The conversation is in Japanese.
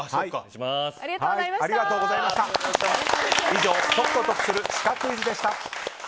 以上、解くと得するシカクイズでした。